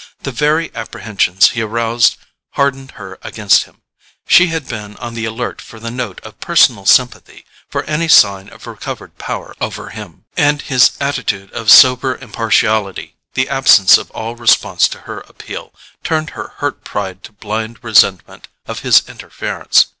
The very apprehensions he aroused hardened her against him: she had been on the alert for the note of personal sympathy, for any sign of recovered power over him; and his attitude of sober impartiality, the absence of all response to her appeal, turned her hurt pride to blind resentment of his interference.